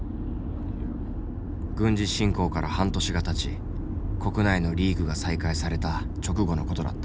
軍事侵攻から半年がたち国内のリーグが再開された直後のことだった。